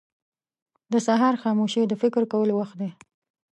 • د سهار خاموشي د فکر کولو وخت دی.